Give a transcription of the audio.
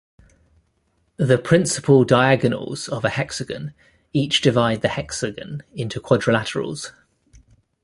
The "principal diagonals" of a hexagon each divide the hexagon into quadrilaterals.